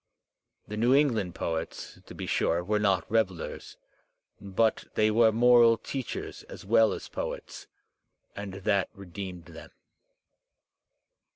The New England poets, to be / sure, were not revellers, but they were moral teachers as well I as poets, and that redeemed them.